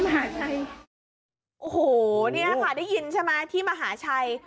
โหเนี้ยค่ะได้ยินใช่มะที่มหาชัย